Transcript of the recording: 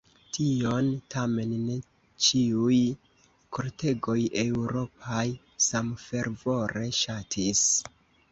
Tion tamen ne ĉiuj kortegoj eŭropaj samfervore ŝatis.